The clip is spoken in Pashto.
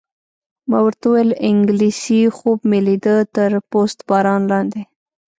ما ورته وویل: انګلېسي خوب مې لیده، تر پست باران لاندې.